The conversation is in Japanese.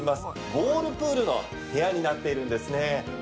ボールプールの部屋になっているんですね。